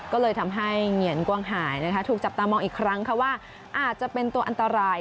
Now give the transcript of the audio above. ก็เลยทำให้เหงียนกวางหายถูกจับตามองอีกครั้งว่าอาจจะเป็นตัวอันตราย